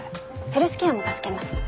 ヘルスケアも助けます。